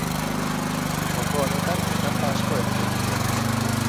Joko honetan tranpa asko egiten ziren.